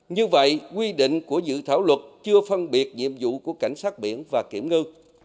như vậy quy định của dự thảo luật chưa phân biệt nhiệm vụ của cảnh sát biển và kiểm ngư